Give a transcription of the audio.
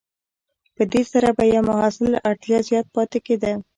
په دې سره به یو محصول له اړتیا زیات پاتې کیده.